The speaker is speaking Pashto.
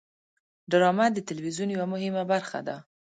ډرامه د تلویزیون یوه مهمه برخه ده